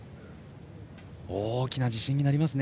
大きな自信になりますね